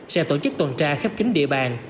sẽ tổ chức tuần tra khép kính địa bàn